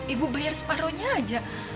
ibu bayar separohnya aja